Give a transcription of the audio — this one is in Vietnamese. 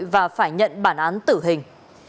và phải nhận bản án tử hình